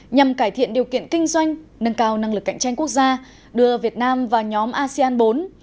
nhằm cải thiện điều kiện kinh doanh nâng cao năng lực cạnh tranh quốc gia đưa việt nam vào nhóm asean bốn